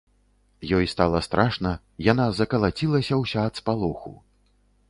Ёй стала страшна, яна закалацілася ўся ад спалоху.